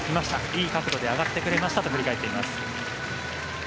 いい角度で上がってくれましたと振り返っています。